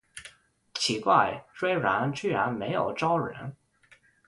奇怪，微软居然没有招人